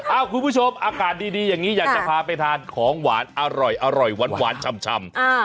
คุณผู้ชมอากาศดีอย่างนี้อยากจะพาไปทานของหวานอร่อยหวานชำ